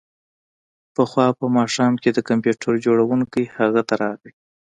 پخوا په ماښام کې د کمپیوټر جوړونکی هغه ته راغی